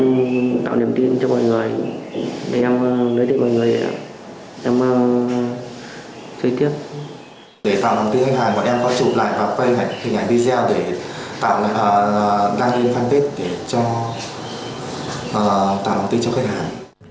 để tạo đồng tiền khách hàng mọi em có chụp lại và quay hình ảnh video để tạo đăng lên fanpage để tạo đồng tiền cho khách hàng